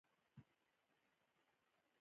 کوچنۍ اسیا یې ونیوله.